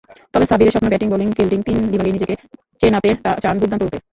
তবে সাব্বিরের স্বপ্ন, ব্যাটিং-বোলিং-ফিল্ডিং তিন বিভাগেই নিজেকে চেনাতে চান দুর্দান্ত রূপে।